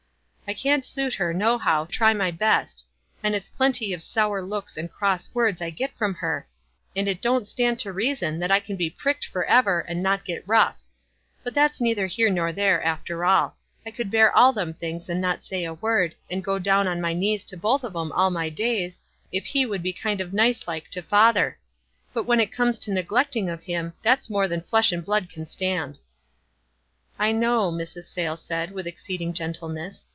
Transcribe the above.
I can't suit her, nohow, try my best ; and it's plenty of sour looks and cross words I get from her ; and it don't stand to reason that I can be pricked forever, and not get rough. But that's neither here nor there after all. 1 could near all them things and not say a word, and go down on my knees to both of 'em all my days, if he would be kind of nice like to father ; but when it comes to neglecting of him, that's more than tlesh and blood can stand." WISE AND OTHERWISE. 159 "1 know," Mrs. Sayles said, with exceeding gentleness.